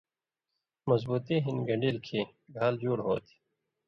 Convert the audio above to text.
مضبُوطی ہِن گنڈِلیۡ کھیں گھال جُوڑ ہوتھی۔